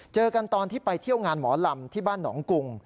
เจอกันตอนที่ไปเที่ยวงานหมอลำที่บ้านหนองกุง